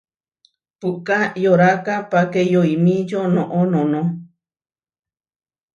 Puʼká yoráka páke yoímičio noʼó noʼnó.